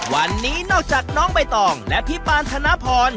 วันนี้นอกจากน้องใบตองและพี่ปานธนพร